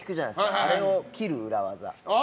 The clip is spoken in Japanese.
あれを切る裏技。